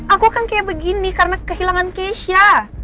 aku kan kayak begini karena kehilangan keisha